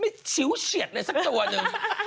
ซิ้วเฉียดเลยสักตัวหนึ่ง